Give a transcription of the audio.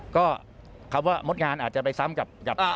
ก็คำว่างดงานอาจจะไปซ้ำกับ